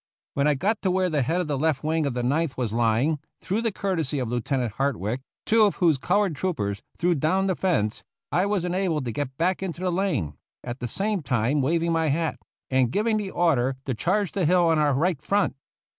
When I got to where the head of the left wing of the Ninth was lying, through the courtesy of Lieutenant Hart wick, two of whose colored troopers threw down the fence, I was enabled to get back into the lane, at the same time waving my hat, and giving the order to charge the hill on our right front.